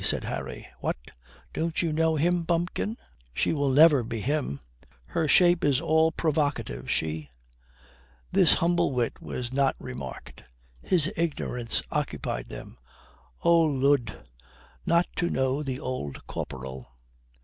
said Harry. "What, don't you know him, bumpkin?" "She will never be him. Her shape is all provocative she." This humble wit was not remarked. His ignorance occupied them, "Oh Lud, not to know the Old Corporal!"